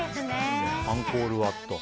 アンコールワット。